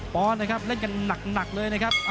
ปอนด์นะครับเล่นกันหนักเลยนะครับ